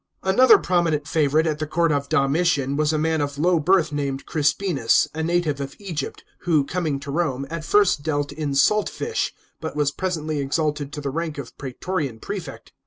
Another prominent favourite at the court of Domitian was a man of low birth named Crispinus, a native of Egypt, who, coming to Rome, at first dealt in salt fish, but was presently exalted to the rank of praetorian prefect.